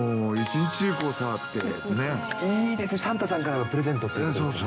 いいですね、サンタさんからのプレゼントってことですよね。